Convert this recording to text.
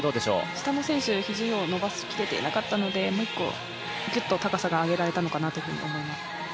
下の選手、肘を伸ばし切れていなかったのでもう一個、ぐっと高さが上げられたのかなと思います。